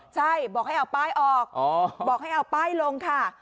ใช่บอกให้เอาป้ายออกบอกให้เอาป้ายลงค่ะ